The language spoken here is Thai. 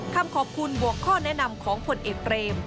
คำขอบคุณบวกข้อแนะนำของผลเอกเบรม